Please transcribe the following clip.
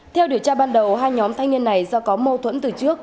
theo điều tra ban đầu hai nhóm thanh niên này do có mâu thuẫn từ trước